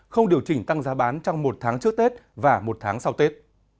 không điều chỉnh tăng giá bán trong một tháng trước tết và một tháng sau tết